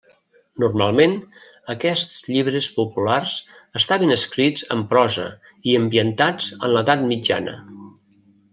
Normalment, aquests llibres populars estaven escrits en prosa i ambientats en l'Edat Mitjana.